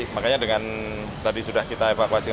makanya dengan tadi sudah kita evakuasi yang lima belas